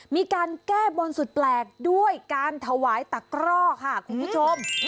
มีการแก้บนสุดแปลกด้วยการถวายตะกร่อค่ะคุณผู้ชม